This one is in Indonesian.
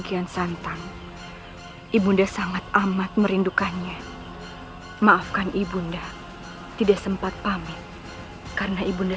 kian santang ibunda sangat amat merindukannya maafkan ibunda tidak sempat pamit karena ibunda